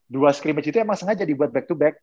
dua scrimmage itu emang sengaja dibuat back to back